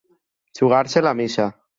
Jugar-se la missa.